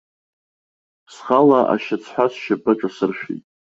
Схала ашьацҳәа сшьапы аҿасыршәит.